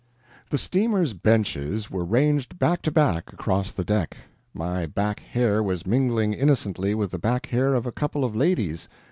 The steamer's benches were ranged back to back across the deck. My back hair was mingling innocently with the back hair of a couple of ladies.